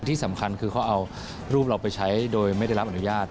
ที่สำคัญคือเขาเอารูปเราไปใช้โดยไม่ได้รับอนุญาต